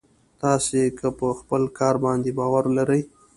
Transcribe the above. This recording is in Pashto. تاسې که په خپل کار باندې باور لرئ.